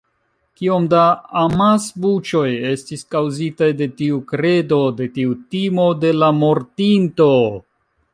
Kiom da amasbuĉoj estis kaŭzitaj de tiu kredo, de tiu timo de la mortinto.